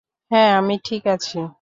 হ্যাঁঁ, আমি ঠিক আছি।